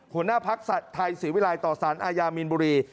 หัวหน้าพักษัตริย์ไทยศิวิลัยต่อสารอายามินบุรี